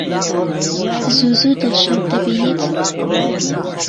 زوو زوو دڵشاد دەبینیت؟